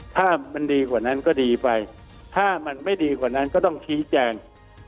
ถ้ามันดีกว่านั้นก็ดีไปถ้ามันไม่ดีกว่านั้นก็ต้องชี้แจง